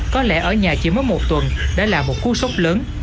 có lẽ ở nhà chỉ mất một tuần đã là một khu sốc lớn